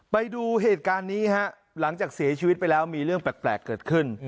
ไปดูเหตุการณ์นี้ฮะหลังจากเสียชีวิตไปแล้วมีเรื่องแปลกเกิดขึ้น